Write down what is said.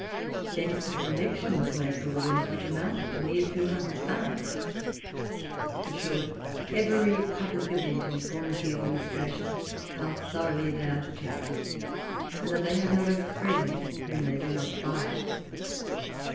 Then a collection was made for Williams, which amounted to near £200. In short, every public event informs the Administration how thoroughly they are detested, and that they have not a friend whom they do not buy.